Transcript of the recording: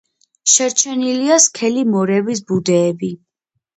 შერჩენილია სქელი მორების ბუდეები.